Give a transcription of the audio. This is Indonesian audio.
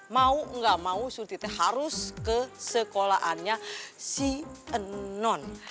mau ga mau surti teh harus ke sekolahannya si non